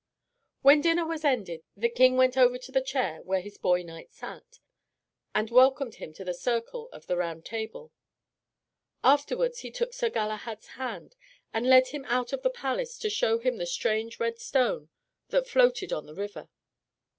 When dinner was ended, the King went over to the chair where his boy knight sat, and welcomed him to the circle of the Round Table. Afterwards he took Sir Galahad's hand, and led him out of the palace to show him the strange red stone that floated on the river.